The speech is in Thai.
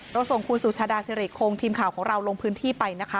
ส่งคุณสุชาดาสิริคงทีมข่าวของเราลงพื้นที่ไปนะคะ